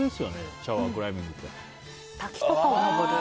シャワークライミングって。